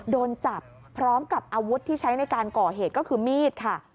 โดนจับพร้อมกับอาวุธที่ใช้ในการก่อเหตุก็คือมีดค่ะ